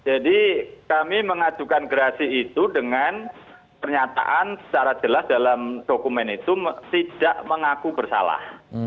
jadi kami mengajukan gerasi itu dengan pernyataan secara jelas dalam dokumen itu tidak mengaku bersalah